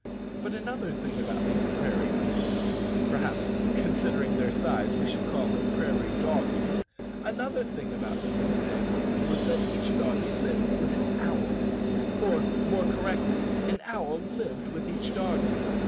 But another thing about these prairie dogs (perhaps, considering their size, we should call them prairie doggies), another thing about them, we say, was that each doggie lived with an owl, or, more correctly, an owl lived with each doggie!